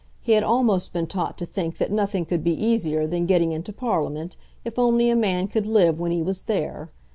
He had almost been taught to think that nothing could be easier than getting into Parliament if only a man could live when he was there.